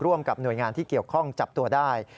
ร่วมกับหน่วยงานที่เกี่ยวข้องจับตัวได้